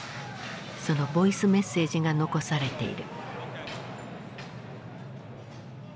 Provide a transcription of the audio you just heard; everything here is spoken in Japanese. そのボイスメッセージが残されている。